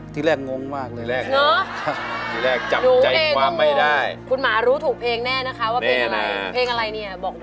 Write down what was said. เพลงอะไรเนี่ยบอกหน่อย